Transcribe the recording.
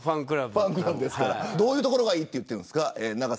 君のどういうところがいいと言っているんですか。